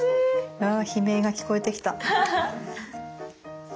あ悲鳴が聞こえてきた。